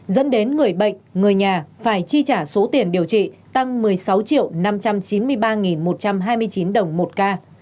dẫn đến người bệnh người nhà phải chi trả số tiền điều trị tăng một mươi sáu năm trăm chín mươi ba một trăm hai mươi chín đồng một ca